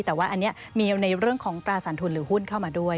แต่ว่าอันนี้มีในเรื่องของตราสารทุนหรือหุ้นเข้ามาด้วย